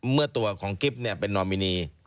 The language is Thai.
เมื่อตัวของกิ๊บเป็นนอมินี